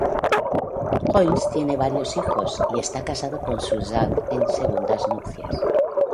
Hoynes tiene varios hijos y está casado con Suzanne en segundas nupcias.